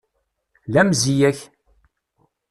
La mzeyya-k!